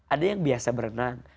ada yang biasa berenang